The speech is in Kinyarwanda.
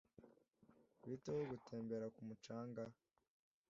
Bite ho gutembera ku mucanga